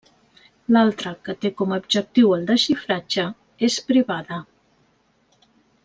L'altra, que té com a objectiu el desxifratge, és privada.